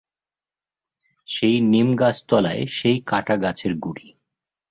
সেই নিমগাছতলায় সেই কাটা গাছের গুঁড়ি।